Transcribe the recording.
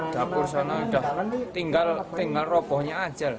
dapur sana udah tinggal ropohnya aja